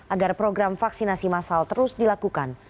agar program vaksinasi masal terus dilakukan